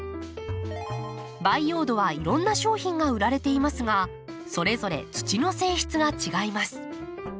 培養土はいろんな商品が売られていますがそれぞれ土の性質が違います。